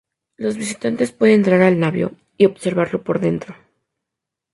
Los visitantes pueden entrar al navío y observarlo por dentro.